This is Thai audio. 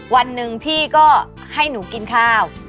วันหนึ่งพี่ก็ให้หนูกินข้าว